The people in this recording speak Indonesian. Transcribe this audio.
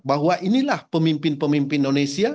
bahwa inilah pemimpin pemimpin indonesia